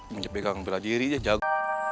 menyebekang beradiri dia jago